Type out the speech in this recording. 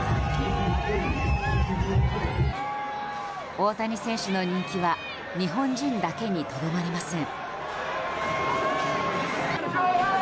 大谷選手の人気は日本人だけにとどまりません。